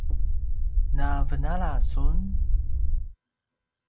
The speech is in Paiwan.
na venala sun